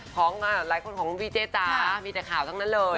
ของหลายคนของวีเจ๊จ๋ามีแต่ข่าวทั้งนั้นเลย